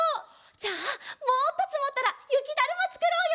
じゃあもっとつもったらゆきだるまつくろうよ！